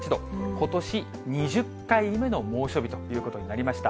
ことし２０回目の猛暑日ということになりました。